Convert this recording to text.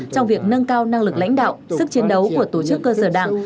trong việc nâng cao năng lực lãnh đạo sức chiến đấu của tổ chức cơ sở đảng